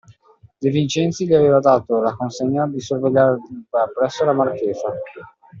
De Vincenzi gli aveva dato la consegna di sorvegliar da presso la marchesa